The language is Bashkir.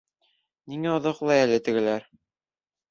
Ниңә оҙаҡлай әле тегеләр?